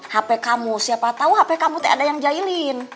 hape kamu siapa tahu hape kamu tak ada yang jahilin